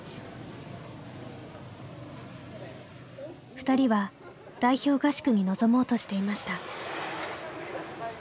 ふたりは代表合宿に臨もうとしていました。